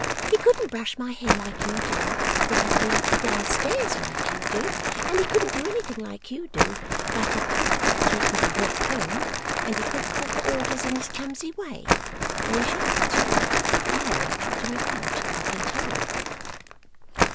He couldn't brush my hair like you do, or help me up and down stairs like you do, and he couldn't do anything like you do; but he could take my work home, and he could call for orders in his clumsy way. And he shall too. I'LL trot him about, I can tell him!